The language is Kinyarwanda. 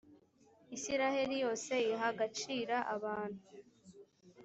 isirayeli yose iha agacira abantu